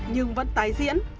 nhưng vẫn tái diễn